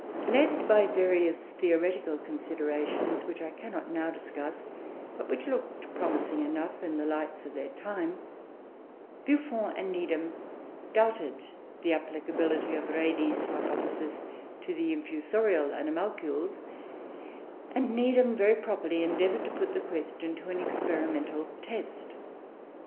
Led by various theoretical considerations which I cannot now discuss, but which looked promising enough in the lights of their time, Buffon and Needham doubted the applicability of Redi's hypothesis to the infusorial animalcules, and Needham very properly endeavoured to put the question to an experimental test.